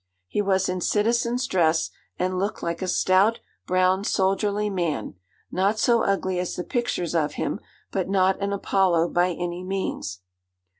He was in citizen's dress, and looked like a stout, brown, soldierly man, not so ugly as the pictures of him, but not an Apollo by any means.